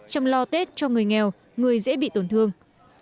chăm lo tết cho người nghèo người dễ bị tổn thương